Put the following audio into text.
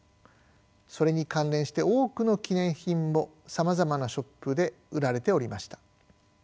それに関連して多くの記念品もさまざまなショップで売られておりました。